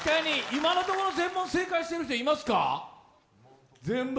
今のところ全問正解している人いますか？